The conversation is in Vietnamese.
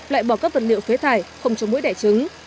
loại bỏ các vật liệu phế thải không cho mũi đẻ trứng